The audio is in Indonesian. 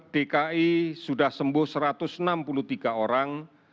dki sudah sembuh satu ratus enam puluh tiga orang